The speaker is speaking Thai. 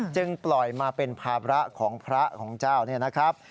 ปล่อยมาเป็นภาระของพระของเจ้าเนี่ยนะครับ